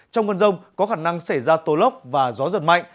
trong cơn rông có khả năng xảy ra tố lốc và gió giật mạnh